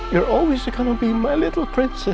kamu akan selalu menjadi putriku